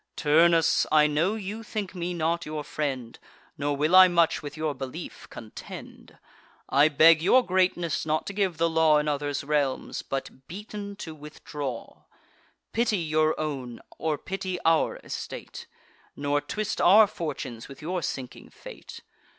Turnus, I know you think me not your friend, Nor will I much with your belief contend: I beg your greatness not to give the law In others' realms, but, beaten, to withdraw. Pity your own, or pity our estate; Nor twist our fortunes with your sinking fate.